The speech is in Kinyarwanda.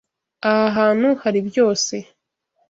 Aha hantu hari byose.